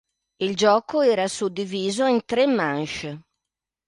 Il gioco era suddiviso in tre manches.